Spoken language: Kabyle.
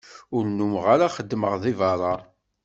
Ur nnumeɣ ara xeddmeɣ deg berra.